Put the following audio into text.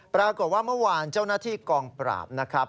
ปรากฏว่าเมื่อวานเจ้าหน้าที่กองปราบนะครับ